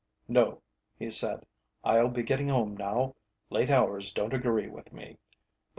"No," he said, "I'll be getting home now; late hours don't agree with me.